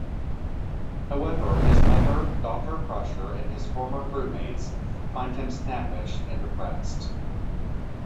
However, his mother Doctor Crusher and his former crewmates find him snappish and depressed.